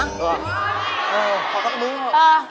เออออกเอาแมบมือ